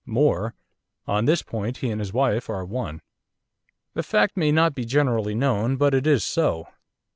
More, on this point he and his wife are one. The fact may not be generally known, but it is so.